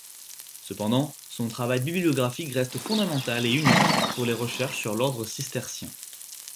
Cependant son travail bibliographique reste fondamental et unique pour les recherches sur l’ordre cistercien.